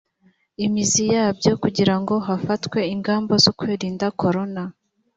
imizi yabyo kugira ngo hafatwe ingamba zo kwirinda corona